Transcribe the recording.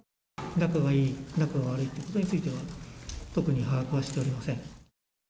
仲がいい、仲が悪いということについては、特に把握はしておりません。